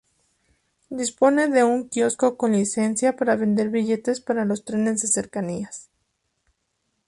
Dispone de un quiosco con licencia para vender billetes para los trenes de cercanías.